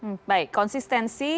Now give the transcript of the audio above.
hasil baik konsistensi